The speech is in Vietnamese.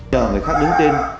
nhờ người khác đứng tên